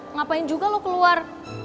ngapain juga lo keluar